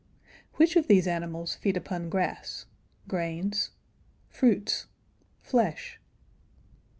Which of these animals feed upon grass? grains? fruits? flesh?